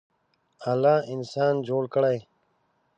الله انسان جوړ کړی.